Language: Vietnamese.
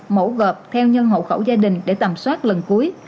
mẫu gợp theo nhân hộ khẩu gia đình để tầm soát lần cuối